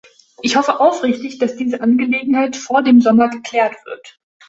Ich hoffe aufrichtig, dass diese Angelegenheit vor dem Sommer geklärt wird.